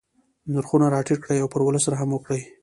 نرخونه را ټیټ کړي او پر ولس رحم وکړي.